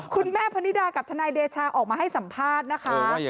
คุณแม่พนิดากับทนายเดชาออกมาให้สัมภาษณ์นะคะ